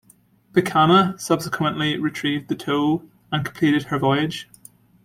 "Pakana" subsequently retrieved the tow and completed her voyage.